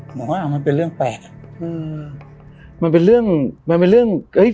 บอกว่ามันเป็นเรื่องแปลกอืมมันเป็นเรื่องมันเป็นเรื่องเอ้ย